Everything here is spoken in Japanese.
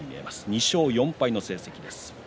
２勝４敗の成績です。